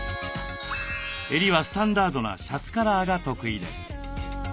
襟はスタンダードなシャツカラーが得意です。